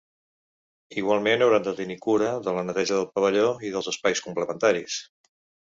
Igualment, hauran de tenir cura de la neteja del pavelló i dels espais complementaris.